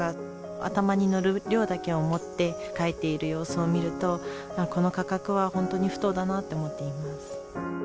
頭にのる量だけを持って帰っている様子を見るとこの価格は本当に不当だなって思っています。